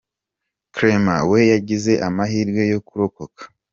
Clément we yagize amahirwe yo kurokoka.